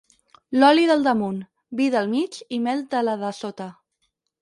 L'oli del damunt, vi del mig i mel de la de sota.